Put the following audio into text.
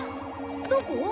どこ？